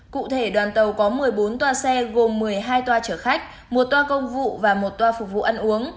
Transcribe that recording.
cụ thể đoàn tàu có một mươi bốn toa xe gồm một mươi hai toa chở khách một toa công vụ và một toa phục vụ ăn uống